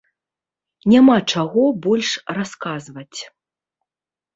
Няма чаго больш расказваць.